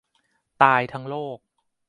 ตายทั้งโลก